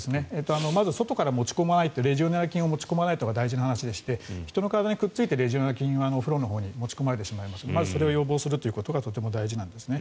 まず外からレジオネラ菌を持ち込まないことが大事な話でして人の体にくっついてレジオネラ菌はお風呂のほうに持ち込まれてしまうのでそれを予防するのが大事ですね。